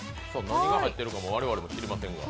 何が入ってるかも我々も知りませんが。